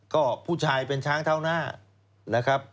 ก็ผู้ชายเป็นช้างเท่าหน้า